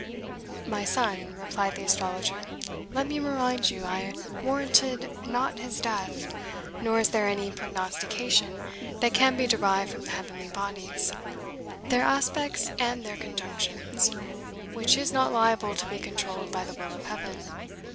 "My son," replied the astrologer, "let me remind you I warranted not his death; nor is there any prognostication that can be derived from the heavenly bodies, their aspects and their conjunctions, which is not liable to be controlled by the will of Heaven.